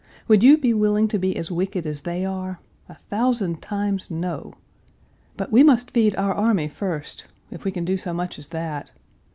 Would you be willing to be as wicked as they are? A thousand times, no! But we must feed our army first if we can do so much as that.